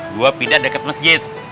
gua pindah deket masjid